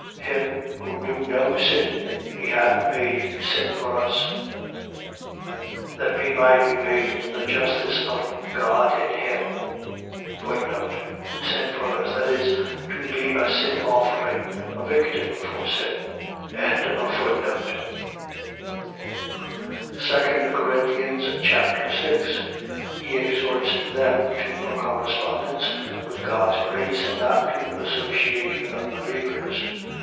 5:21. Him, who knew no sin, he hath made sin for us: that we might be made the justice of God in him. Sin for us. . .That is, to be a sin offering, a victim for sin. 2 Corinthians Chapter 6 He exhorts them to a correspondence with God's grace and not to associate with unbelievers.